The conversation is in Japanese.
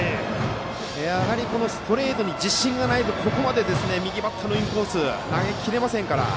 やはりストレートに自信がないとここまで右バッターのインコースに投げ切れませんから。